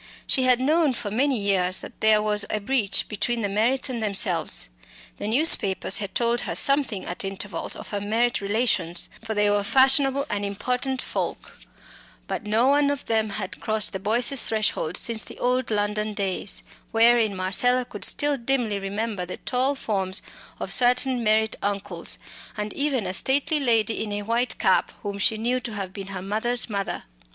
She had known for many years that there was a breach between the Merritts and themselves. The newspapers had told her something at intervals of her Merritt relations, for they were fashionable and important folk, but no one of them had crossed the Boyces' threshold since the old London days, wherein Marcella could still dimly remember the tall forms of certain Merritt uncles, and even a stately lady in a white cap whom she knew to have been her mother's mother.